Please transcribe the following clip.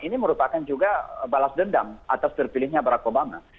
ini merupakan juga balas dendam atas terpilihnya barack obama